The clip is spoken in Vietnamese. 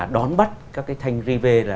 đón bắt các thanh ri vê